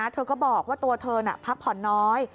เธอก็บอกว่าตัวเธอพักผ่อนน้อย